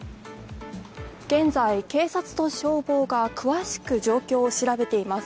現在、警察と消防が詳しく状況を調べています。